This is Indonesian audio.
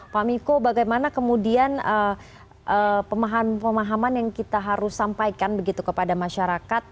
pak miko bagaimana kemudian pemahaman pemahaman yang kita harus sampaikan begitu kepada masyarakat